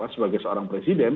sebagai seorang presiden